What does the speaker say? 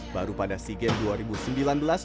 baru pada sea games dua ribu sembilan belas